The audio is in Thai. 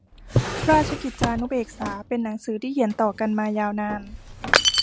ราชกิจจานุเบกษา เป็นหนังสือที่เขียนต่อกันมายาวนาน